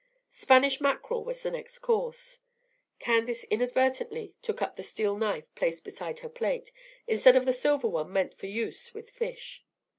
Spanish mackerel was the next course. Candace inadvertently took up the steel knife placed beside her plate, instead of the silver one meant for use with fish.